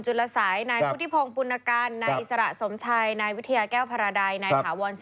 เป็นนาฬิสาวพักประชาธิปัตธ์๘คน